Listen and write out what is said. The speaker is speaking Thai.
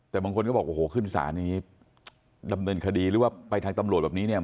แต่บางคนก็บอกโอ้โหขึ้นศาลอย่างนี้ดำเนินคดีหรือว่าไปทางตำรวจแบบนี้เนี่ย